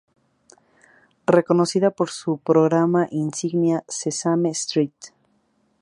Reconocida por su programa insignia Sesame Street.